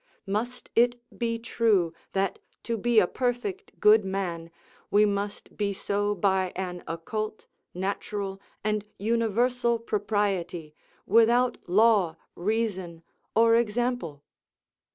Must it be true, that to be a perfect good man, we must be so by an occult, natural, and universal propriety, without law, reason, or example?